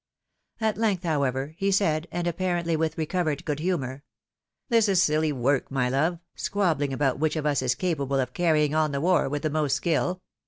At length, however, he said, and apparently with recovered good humoiu:, " This is siUy work, my love, squabbhng about which of us is capable of carrying ou the war with the most skill.